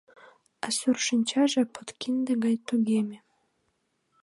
А сур шинчаже подкинде гай кугеме.